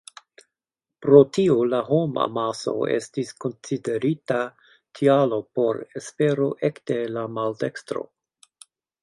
Pro tio la homamaso estis konsiderita tialo por espero ekde la maldekstro.